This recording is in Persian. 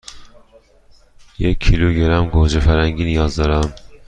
یک کیلوگرم گوجه فرنگی نیاز دارم.